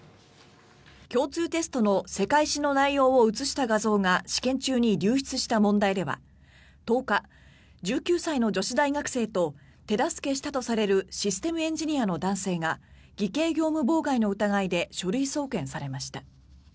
共通テストの世界史の内容を写した画像が試験中に流出した問題では１０日、１９歳の女子大学生と手助けしたとされるシステムエンジニアの男性が偽計業務妨害の疑いで書類送検されました。